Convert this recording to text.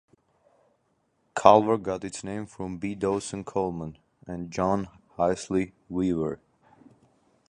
Colver got its name from B. Dawson Coleman and John Heisley Weaver.